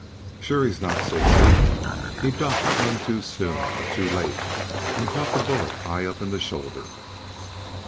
"Sure he's not," said Zeke. "He ducked none too soon, or too late, and caught the bullet high up in the shoulder."